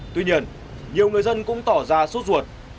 tuy nhiên nhiều người dân cũng tỏ ra sốt ruột